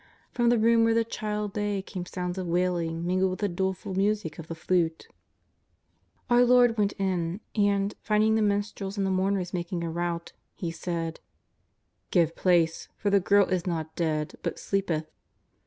From the room where the child lay came sounds of wailing mingled with the doleful music of the flute. Our Lord went in, and, finding the minstrels and the mourners making a rout. He said :" Give place, for the girl is not dead but sleepeth."